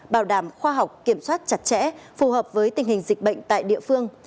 bảo đảm khoa học kiểm soát chặt chẽ phù hợp với tình hình dịch bệnh tại địa phương